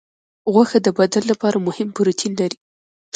غوښه د بدن لپاره مهم پروټین لري.